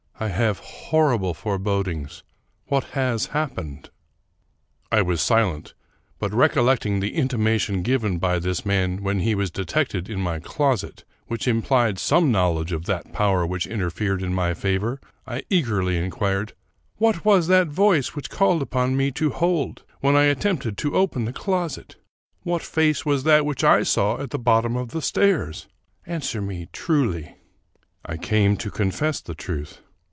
I have horrible forebodings ! What has happened ?" I was silent ; but, recollecting the intimation given by this man when he was detected in my closet, which implied some knowledge of that power which interfered in my favor, I eagerly inquired, " What was that voice which called upon me to hold when I attempted to open the closet ? What face was that which I saw at the bottom of the stairs ? Answer me truly." " I came to confess the truth.